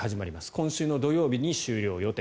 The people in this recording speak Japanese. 今週の土曜日に終了予定。